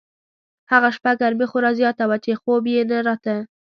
هغه شپه ګرمي خورا زیاته وه چې خوب یې نه راته.